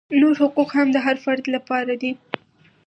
نور حقوق هم د هر فرد لپاره دي.